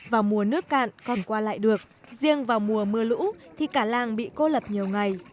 vào mùa nước cạn còn qua lại được riêng vào mùa mưa lũ thì cả làng bị cô lập nhiều ngày